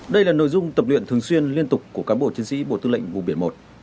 đây là nội dung tập luyện thường xuyên liên tục của cán bộ chiến sĩ bộ tư lệnh vùng biển một